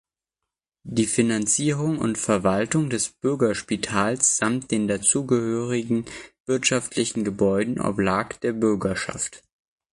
Die Finanzierung und Verwaltung des Bürgerspitals samt den dazugehörenden wirtschaftlichen Gebäuden oblag der Bürgerschaft.